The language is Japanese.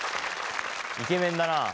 イケメンだな。